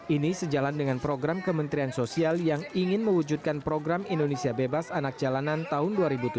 ini sejalan dengan program kementerian sosial yang ingin mewujudkan program indonesia bebas anak jalanan tahun dua ribu tujuh belas